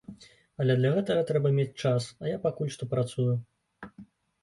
Але для гэтага трэба мець час, а я пакуль што працую.